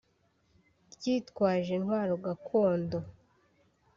ryitwaje intwaro gakondo